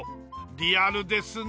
リアルですね。